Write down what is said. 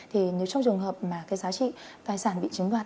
thì nếu trong trường hợp mà cái giá trị tài sản bị chiếm đoạt